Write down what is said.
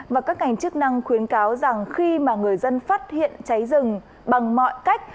và các ngành chức năng khuyến cáo rằng khi mà người dân phát hiện cháy rừng bằng mọi cách